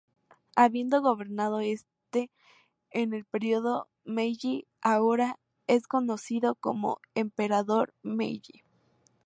Habiendo gobernado este en el periodo Meiji, ahora es conocido como Emperador Meiji.